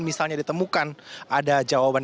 misalnya ditemukan ada jawaban